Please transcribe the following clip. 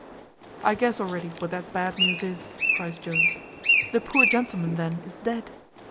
"I guess already what that bad news is," cries Jones. "The poor gentleman then is dead."